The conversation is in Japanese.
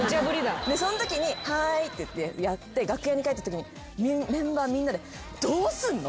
そんときに「はい」って言ってやって楽屋に帰ったときにメンバーみんなで「どうすんの？